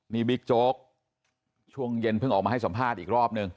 นี่บิ๊กโจ๊กช่วงเย็นเพิ่งออกมาให้สัมภาษณ์อีกรอบนึง